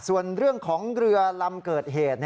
ส่วนเรื่องของเรือลำเกิดเหตุ